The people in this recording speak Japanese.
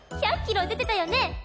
１００キロ出てたよね。